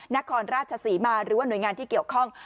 นครราชศรีมาหรือว่าหน่วยงานที่เกี่ยวข้อง